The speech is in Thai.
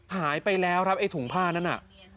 หายไปแล้วครับไอ้ถุงผ้านั้นน่ะ